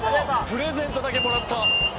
「プレゼントだけもらった」